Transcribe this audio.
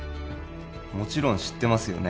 もちろん知ってますよね